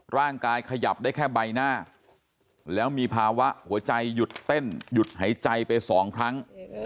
ขยับได้แค่ใบหน้าแล้วมีภาวะหัวใจหยุดเต้นหยุดหายใจไปสองครั้ง